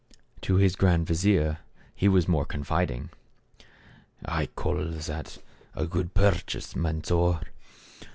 To his grand vizier he was more confiding: " I call that a good purchase, Mansor